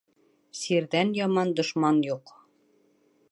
Сирҙән яман дошман юҡ.